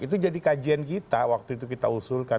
itu jadi kajian kita waktu itu kita usulkan